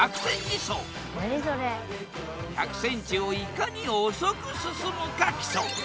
１００ｃｍをいかに遅く進むか競う。